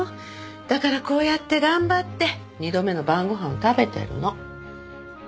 だからこうやって頑張って二度目の晩ご飯を食べてるの。